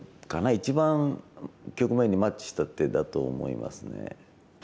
一番局面にマッチした手だと思いますね。